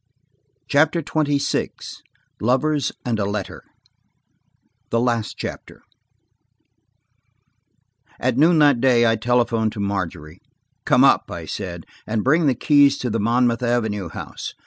CHAPTER XXVI LOVERS AND A LETTER AT noon that day I telephoned to Margery. "Come up," I said, "and bring the keys to the Monmouth Avenue house.